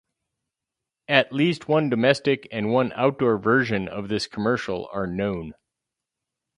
At least one domestic and one outdoor version of this commercial are known.